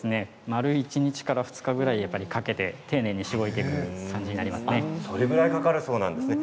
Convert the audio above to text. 丸１日から２日ぐらいかけて丁寧にしごいていく感じにそれぐらいかかるそうなんですね。